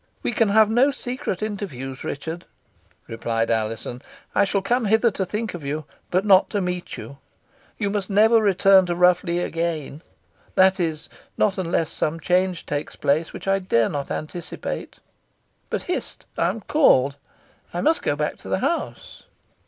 "We can have no secret interviews, Richard," replied Alizon; "I shall come hither to think of you, but not to meet you. You must never return to Rough Lee again that is, not unless some change takes place, which I dare not anticipate but, hist! I am called. I must go back to the house."